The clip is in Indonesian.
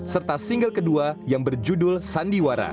serta single kedua yang berjudul sandiwara